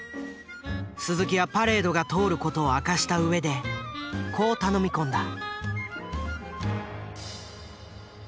鈴木はパレードが通る事を明かした上でこう頼み込んだ。